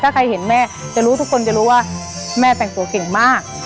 ถ้าใครเห็นแม่จะรู้ทุกคนจะรู้ว่าแม่แต่งตัวเก่งมาก